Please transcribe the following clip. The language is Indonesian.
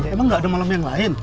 emang gak ada malam yang lain